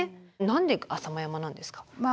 何で浅間山なんですか？